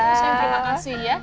terima kasih ya